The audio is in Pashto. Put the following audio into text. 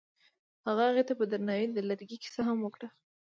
هغه هغې ته په درناوي د لرګی کیسه هم وکړه.